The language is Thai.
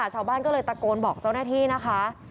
ชาวบ้านก็เลยตะโกนบอกเจ้าหน้าที่นะคะ